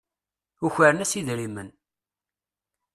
Ukren-as idrimen.